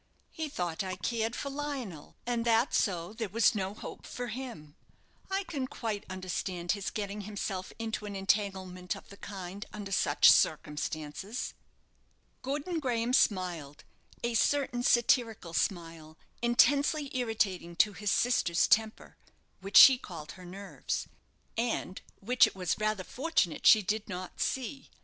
He thought I cared for Lionel, and that so there was no hope for him. I can quite understand his getting himself into an entanglement of the kind, under such circumstances." Gordon Graham smiled, a certain satirical smile, intensely irritating to his sister's temper (which she called her nerves), and which it was rather fortunate she did not see.